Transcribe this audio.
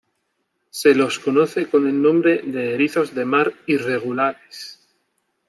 Se los conoce con el nombre de erizos de mar irregulares.